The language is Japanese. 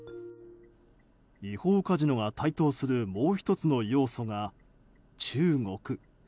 違法カジノが台頭するもう１つの要素が中国。